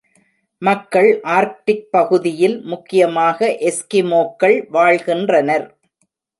மக்கள் ஆர்க்டிக் பகுதியில் முக்கியமாக எஸ்கிமோக்கள் வாழ்கின்றனர்.